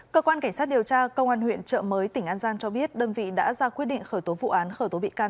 cơ quan cảnh sát điều tra công an huyện trợ mới tỉnh an giang cho biết đơn vị đã ra quyết định khởi tố vụ án khởi tố bị can